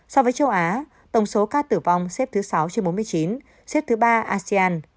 so với châu á tổng số ca tử vong xếp thứ sáu trên bốn mươi chín xếp thứ ba asean